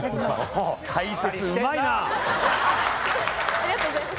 ありがとうございます。